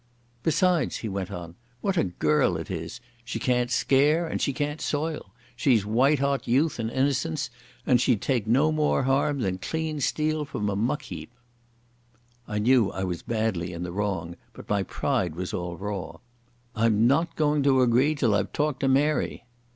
"Besides," he went on, "what a girl it is! She can't scare and she can't soil. She's white hot youth and innocence, and she'd take no more harm than clean steel from a muck heap." I knew I was badly in the wrong, but my pride was all raw. "I'm not going to agree till I've talked to Mary."